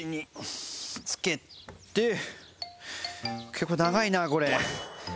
結構長いなこれ。